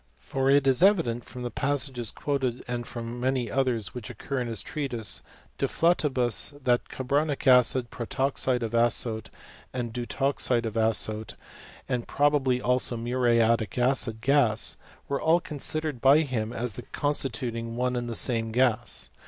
For it is evident, from the passages quoted and from many others which occur in his treatise, De Flatibus, that carbonic acid, protoxide of azote, and deutoxide of azote, and probably also muriatic acid gas were all considered by him as constituting one and the same gas.